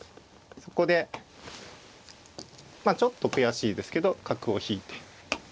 そこでまあちょっと悔しいですけど角を引いて。